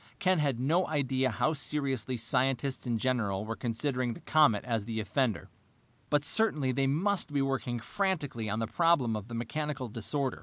Ken had no idea how seriously scientists in general were considering the comet as the offender, but certainly they must be working frantically on the problem of the mechanical disorder.